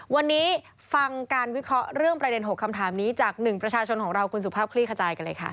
วันนี้ฟังการวิเคราะห์เรื่องประเด็น๖คำถามนี้จาก๑ประชาชนของเราคุณสุภาพคลี่ขจายกันเลยค่ะ